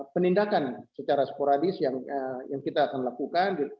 penindakan secara sporadis yang kita akan lakukan